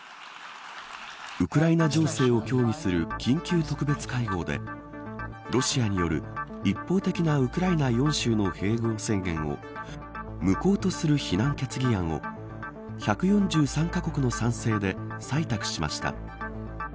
ウクライナ情勢を協議する緊急特別会合でロシアによる一方的なウクライナ４州の併合宣言を無効とする非難決議案を１４３カ国の賛成で採択しました。